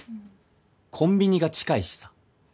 コンビニが近いしさ。